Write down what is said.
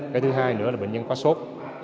cái thứ hai nữa là bệnh nhân có sốt